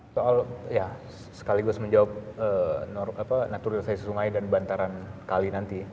soal ya sekaligus menjawab naturalisasi sungai dan bantaran kali nanti